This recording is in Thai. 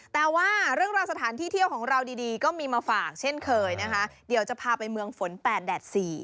แต่ว่าเรื่องราวสถานที่เที่ยวของเราดีก็มีมาฝากเช่นเคยนะคะเดี๋ยวจะพาไปเมืองฝน๘แดด๔